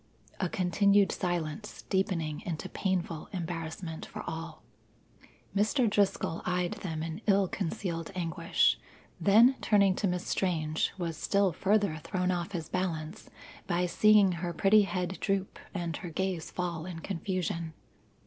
A continued silence, deepening into painful embarrassment for all. Mr. Driscoll eyed them in ill concealed anguish, then turning to Miss Strange was still further thrown off his balance by seeing her pretty head droop and her gaze fall in confusion.